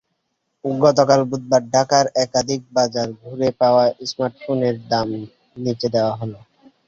গতকাল বুধবার ঢাকার একাধিক বাজার ঘুরে পাওয়া স্মার্টফোনের দাম নিচে দেওয়া হলো।